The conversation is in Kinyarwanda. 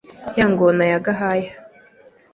Ya ngoma ya Gahaya